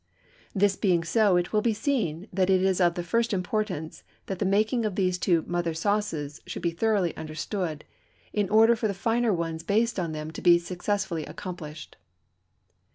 This being so, it will be seen that it is of the first importance that the making of these two "mother sauces" should be thoroughly understood, in order for the finer ones based on them to be successfully accomplished.